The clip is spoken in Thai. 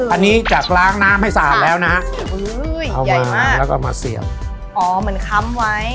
อันนี้จากล้างน้ำให้สะอาดแล้วนะฮะอุ้ยใหญ่มากแล้วก็มาเสียบอ๋อเหมือนค้ำไว้